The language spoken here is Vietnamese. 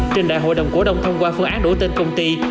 trình đại hội đồng cổ đông thông qua phương án đổi tên công ty